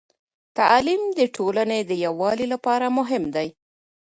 تعليم د ټولنې د يووالي لپاره مهم دی.